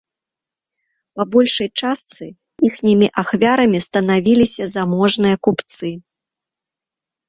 Па большай частцы іхнімі ахвярамі станавіліся заможныя купцы.